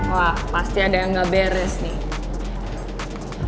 wah pasti ada yang gak beres nih